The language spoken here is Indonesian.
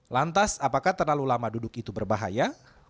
lantas apakah terlalu lama duduk itu berbahaya